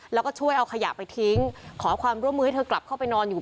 แล้วก็ช่วยเอาขยะไปทิ้งขอความร่วมมือให้เธอกลับเข้าไปนอนอยู่